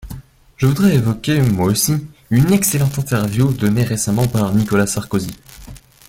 Je voudrais évoquer moi aussi une excellente interview donnée récemment par Nicolas Sarkozy.